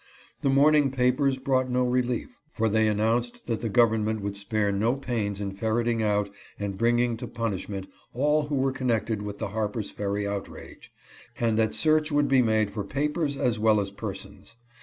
The morning papers brought no relief, for they announced that the government would spare no pains in ferreting out and bringing to punishment all who were connected with the Harper's Ferry outrage, and that search would be made for papers as well as persons.